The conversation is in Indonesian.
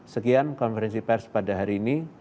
sekian konferensi pers pada hari ini